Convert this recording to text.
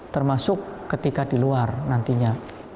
termasuk ketika di luar nantinya